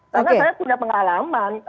karena saya punya pengalaman